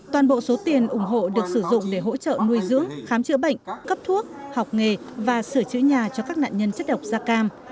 toàn bộ số tiền ủng hộ được sử dụng để hỗ trợ nuôi dưỡng khám chữa bệnh cấp thuốc học nghề và sửa chữa nhà cho các nạn nhân chất độc da cam